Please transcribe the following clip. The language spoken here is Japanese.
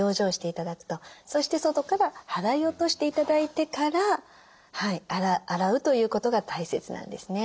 そして外から払い落として頂いてから洗うということが大切なんですね。